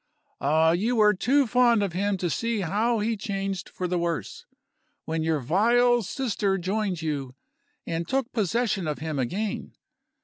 Ah, you were too fond of him to see how he changed for the worse, when your vile sister joined you, and took possession of him again.